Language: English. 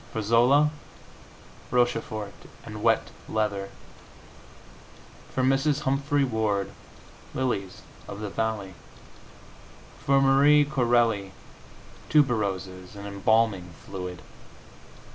For Zola, Rochefort and wet leather. For Mrs. Humphrey Ward, lilies of the valley. For Marie Corelli, tuberoses and embalming fluid.